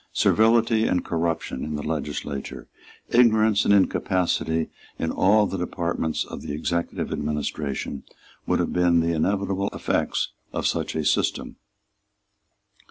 Servility and corruption in the legislature, ignorance and incapacity in all the departments of the executive administration, would have been the inevitable effects of such a system.